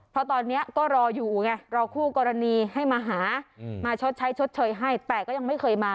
เพราะตอนนี้ก็รออยู่ไงรอคู่กรณีให้มาหามาชดใช้ชดเชยให้แต่ก็ยังไม่เคยมา